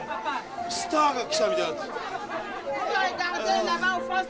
スターが来たみたいになってる。